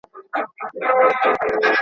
وزیرانو به د رایې ورکولو حق تضمین کوی.